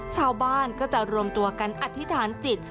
ชาวบ้านก็จะรวมตัวกันอธิษฐานจิต